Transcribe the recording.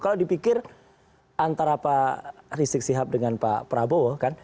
kalau dipikir antara pak rizik sihab dengan pak prabowo kan